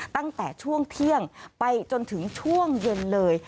ตั้งแต่ช่วงเที่ยงไปจนถึงช่วงเย็นเลย